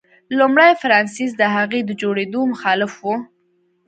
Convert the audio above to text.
لومړي فرانسیس د هغې د جوړېدو مخالف و.